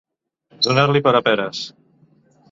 Donar-li per a peres.